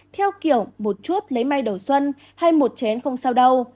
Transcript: theo kiểu một chút lấy may đầu xuân hay một chén không sao đâu